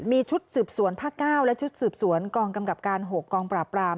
มีชุดสืบสวนภาค๙และชุดสืบสวนกองกำกับการ๖กองปราบราม